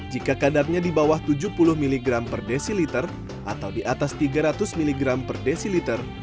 jika kadarnya di bawah tujuh puluh mg per desiliter atau di atas tiga ratus mg per desiliter